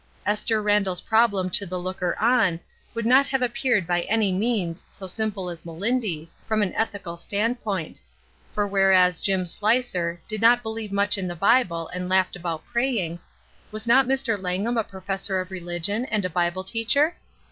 Esther Randall's problem to the looker on would not have appeared by any means so simple as Melindy's, from an ethical standpoint; for whereas Jim Sheer "did not believe much in the Bible, and laughed about praying," was not Mr. Langham a professor of religion and a Bible teacher?